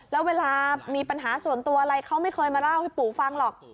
แล้วเวลามีปัญหาส่วนตัวอะไรเขาไม่เคยมาเล่าให้ปู่ฟังหรอก